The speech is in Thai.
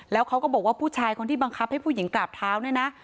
แล้วเขาก็บอกว่าผู้ชายคนที่บังคับให้ผู้หญิงกราบเท้าเนี่ยนะ